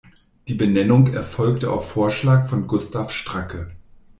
Die Benennung erfolgte auf Vorschlag von Gustav Stracke.